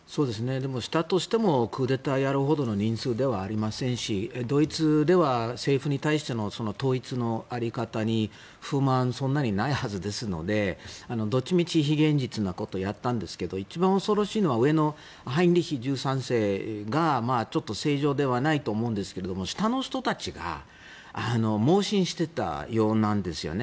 でも、したとしてもクーデターをやるほどの人数ではありませんしドイツでは政府に対しての統一の在り方に不満はそんなにないはずですのでどっちみち非現実なことをやったんですが一番恐ろしいのは上のハインリヒ１３世がちょっと正常ではないと思うんですが下の人たちが妄信していたようなんですよね。